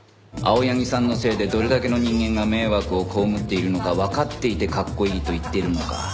青柳さんのせいでどれだけの人間が迷惑を被っているのかわかっていてかっこいいと言っているのか？